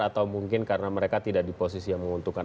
atau mungkin karena mereka tidak di posisi yang menguntungkan